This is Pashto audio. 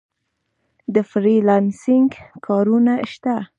د فری لانسینګ کارونه شته؟